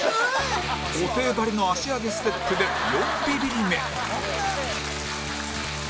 布袋ばりの足上げステップで４ビビリ目